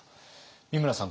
美村さん